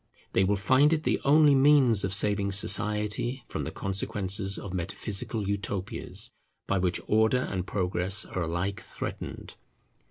They will find it the only means of saving society from the consequences of metaphysical Utopias, by which Order and Progress are alike threatened.